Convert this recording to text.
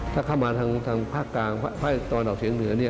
ถ้าเข้ามาทางภาคกลางตอนออกเฉียงเหนือ